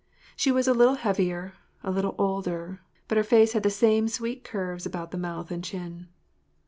She was a little heavier, a little older, but her face had the same sweet curves about the mouth and chin.